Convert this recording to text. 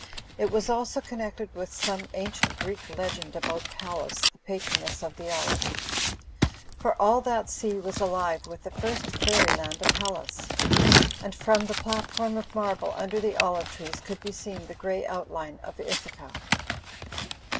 It was also connected with some ancient Greek legend about Pallas the patroness of the olive; for all that sea was alive with the first fairyland of Hellas; and from the pktform of marble under the olive trees could be s^ the grey outline of Ithaca.